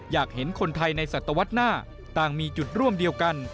อยากเห็นคนไทยในศัตวรรษหน้าต่างมีจุดร่วมเดียวกัน